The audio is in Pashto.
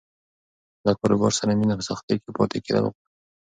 له کاروبار سره مینه په سختۍ کې پاتې کېدل غواړي.